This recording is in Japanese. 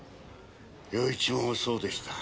陽一もそうでした。